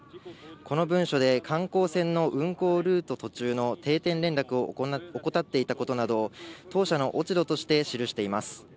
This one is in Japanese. この文章で観光船の運航ルート途中の定点連絡を怠っていたことなどを当社の落ち度として記しています。